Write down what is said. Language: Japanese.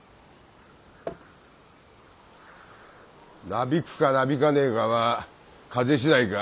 なびくかなびかねえかは風次第か？